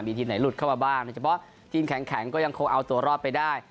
ทีมไหนหลุดเข้ามาบ้างโดยเฉพาะทีมแข็งก็ยังคงเอาตัวรอดไปได้